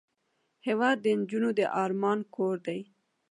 هېواد د نجو د ارمان کور دی.